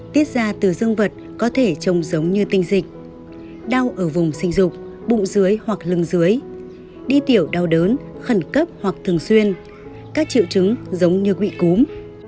tiết ra từ dương vật có thể trông giống như tinh dịch đau ở vùng sinh dục bụng dưới hoặc lưng dưới đi tiểu đau đớn khẩn cấp hoặc thường xuyên các triệu chứng giống như bị cúm